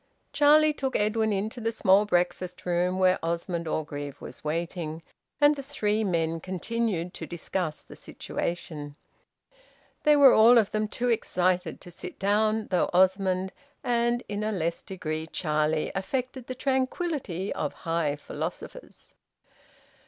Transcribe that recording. Charlie took Edwin into the small breakfast room, where Osmond Orgreave was waiting, and the three men continued to discuss the situation. They were all of them too excited to sit down, though Osmond and in a less degree Charlie affected the tranquillity of high philosophers.